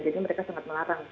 jadi mereka sangat melarang